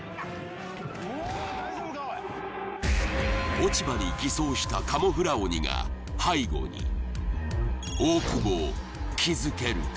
落ち葉に偽装したカモフラ鬼が背後に大久保気づけるか？